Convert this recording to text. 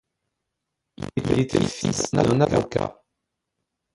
Il était fils d'un avocat.